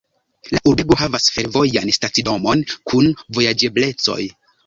La urbego havas fervojan stacidomon kun vojaĝeblecoj.